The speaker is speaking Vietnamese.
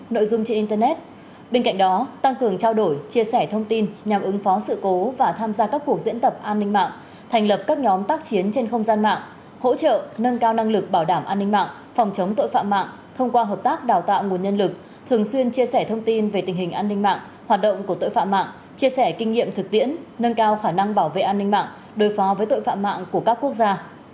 đó tăng cường trao đổi chia sẻ thông tin nhằm ứng phó sự cố và tham gia các cuộc diễn tập an ninh mạng thành lập các nhóm tác chiến trên không gian mạng hỗ trợ nâng cao năng lực bảo đảm an ninh mạng phòng chống tội phạm mạng thông qua hợp tác đào tạo nguồn nhân lực thường xuyên chia sẻ thông tin về tình hình an ninh mạng hoạt động của tội phạm mạng chia sẻ kinh nghiệm thực tiễn nâng cao khả năng bảo vệ an ninh mạng đối phó với tội phạm mạng của các quốc gia